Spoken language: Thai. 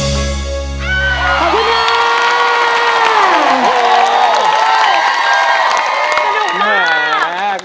สนุกมาก